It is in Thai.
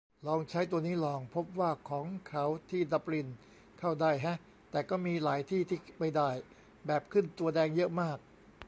ลองใช้ตัวนี้ลอง พบว่า ของเขาที่ดับลินเข้าได้แฮะ แต่ก็มีหลายที่ที่ไม่ได้ แบบขึ้นตัวแดงเยอะมาก